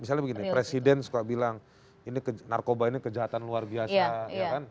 misalnya begini presiden suka bilang narkoba ini kejahatan luar biasa ya kan